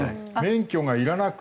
免許がいらなくて。